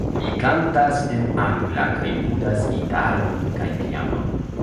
Li kantas en angla kaj ludas gitaron kaj pianon.